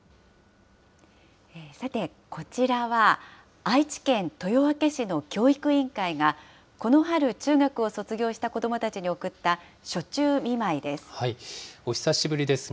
さて、こちらは愛知県豊明市の教育委員会が、この春、中学を卒業した子どもたちに送った暑中見舞いです。